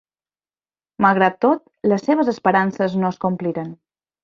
Malgrat tot, les seves esperances no es compliren.